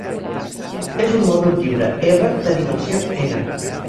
És un mòdul lliure "R" de dimensió "n".